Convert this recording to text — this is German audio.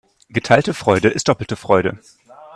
Geteilte Freude ist doppelte Freude.